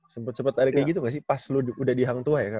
sempet sempet ada kayak gitu gak sih pas lu udah di hang tuah ya